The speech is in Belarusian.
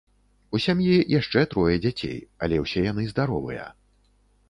У сям'і яшчэ трое дзяцей, але ўсе яны здаровыя.